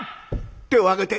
「手を上げて。